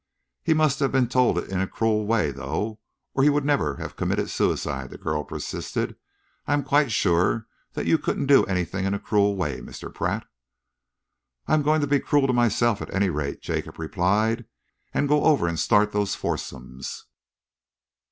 "He must have been told it in a cruel way, though, or he would never have committed suicide," the girl persisted. "I am quite sure that you couldn't do anything in a cruel way, Mr. Pratt." "I am going to be cruel to myself, at any rate," Jacob replied, "and go over and start those foursomes."